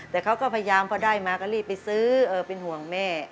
แต่เขาก็พยายามพอได้มาก็รีบไปซื้อเป็นห่วงแม่